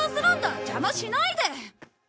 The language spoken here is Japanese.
邪魔しないで！